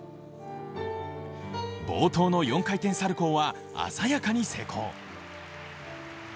冒頭の４回転サルコウは鮮やかに成功。